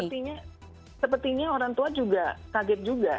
artinya sepertinya orang tua juga kaget juga